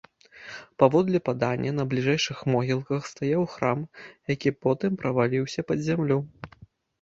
Паводле падання, на бліжэйшых могілках стаяў храм, які потым праваліўся пад зямлю.